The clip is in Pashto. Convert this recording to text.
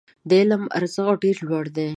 د علم ارزښت ډېر لوړ دی.